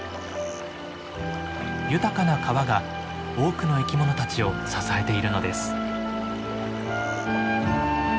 豊かな川が多くの生き物たちを支えているのです。